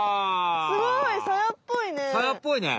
すごい！サヤっぽいね！